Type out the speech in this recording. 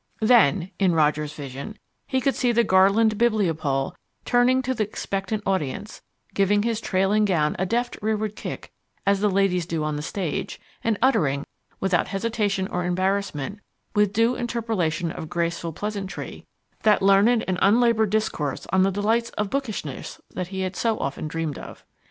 Then (in Roger's vision) he could see the garlanded bibliopole turning to the expectant audience, giving his trailing gown a deft rearward kick as the ladies do on the stage, and uttering, without hesitation or embarrassment, with due interpolation of graceful pleasantry, that learned and unlaboured discourse on the delights of bookishness that he had often dreamed of.